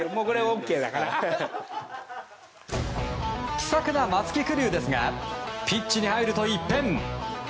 気さくな松木玖生ですがピッチに入ると一変。